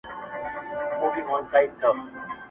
په اوومه ورځ موضوع له کوره بهر خپرېږي,